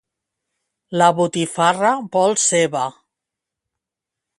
La botifarra vol ceba.